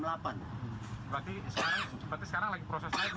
berarti sekarang lagi proses naik ya pak ya